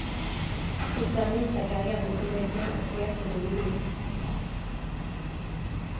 Il termine sa carrière de comédien au théâtre de l'Odéon.